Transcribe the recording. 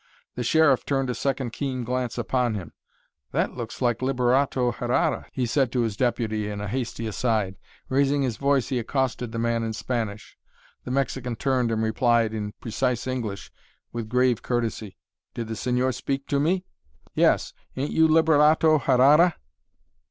The Sheriff turned a second keen glance upon him. "That looks like Liberato Herrara," he said to his deputy in a hasty aside. Raising his voice he accosted the man in Spanish. The Mexican turned and replied in precise English with grave courtesy, "Did the señor speak to me?" "Yes; ain't you Liberato Herrara?"